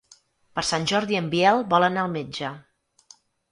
Per Sant Jordi en Biel vol anar al metge.